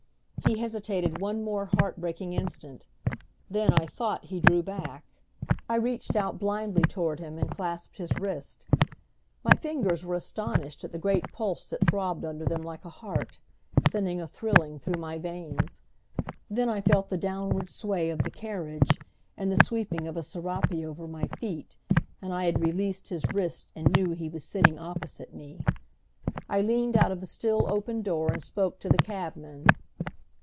He hesitated one more heart breaking instant. Then, I thought, he drew back. I reached out blindly toward him and clasped his wrist. My fingers were astonished at the great pulse that throbbed under them like a heart, sending a thrilling through my veins. Then I felt the downward sway of the carriage, and the sweeping of a serape over my feet; and I had released his wrist and knew he was sitting opposite me. I leaned out of the still open door and spoke to the cabman.